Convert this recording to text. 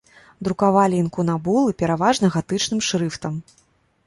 Друкавалі інкунабулы пераважна гатычным шрыфтам.